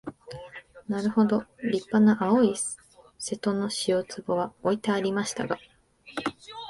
なるほど立派な青い瀬戸の塩壺は置いてありましたが、